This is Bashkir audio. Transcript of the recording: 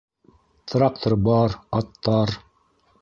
Трактор бар, аттар...